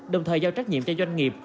đồng thời giao trách nhiệm cho doanh nghiệp